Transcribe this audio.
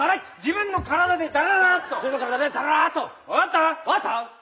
分かった？